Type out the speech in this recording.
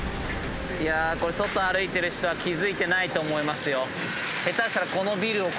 いやこれ外歩いてる人は気付いてないと思いますよ。